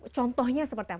contohnya seperti apa